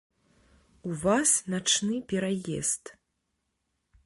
У вас начны пераезд.